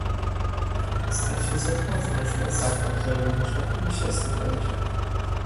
از تجهیزات آزمایشگاه سخت افزار دانشگاه هم میشه استفاده کرد